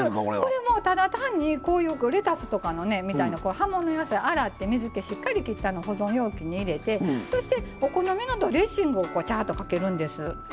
これはただ単にレタスみたいな葉物野菜を洗って水けをしっかりきって保存容器に入れてお好みのドレッシングをじゃーっとかけるんです。